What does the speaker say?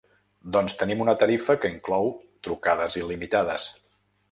Doncs tenim una tarifa que inclou trucades il·limitades.